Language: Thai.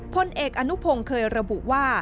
พลเอกอนุพงศ์เคยระบุว่า